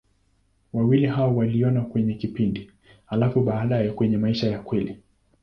Wawili hao waliona kwenye kipindi, halafu baadaye kwenye maisha ya kweli.